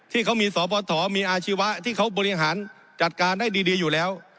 ที่เขามีสปฐมีอาชีวะที่เขาบริหารจัดการได้ดีอยู่แล้ว